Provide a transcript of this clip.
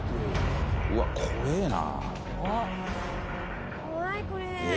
うわ、怖えな。